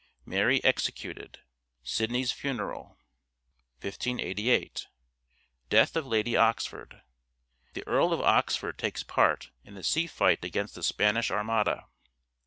Mary executed. Sidney's funeral. 1588. Death of Lady Oxford. The Earl of Oxford takes part in the sea fight against the Spanish Armada.